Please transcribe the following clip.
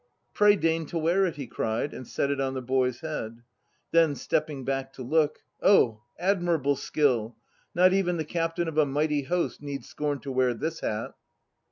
"Pray deign to wear it," he cried, and set it on the boy's head. Then, stepping back to look, "Oh admirable skill ! Not even the captain of a mighty host Need scorn to wear this hat!"